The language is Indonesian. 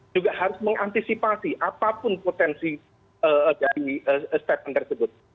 juga harus mengantisipasi apapun potensi dari step an tersebut